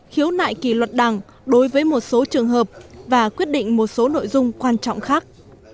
khiếu nại kỳ luật đảng đối với một số trường hợp và quyết định một số nội dung quan trọng khác